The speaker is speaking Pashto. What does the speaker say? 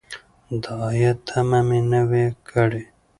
د عاید تمه مې نه وه کړې.